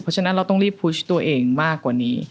เพราะฉะนั้นเราต้องรีบพุชตัวเองมากกว่านี้